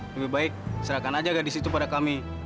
lebih baik serahkan aja gadis itu pada kami